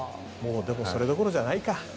それどころじゃないか。